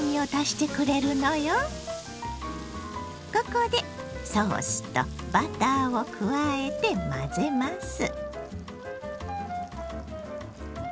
ここでソースとバターを加えて混ぜます。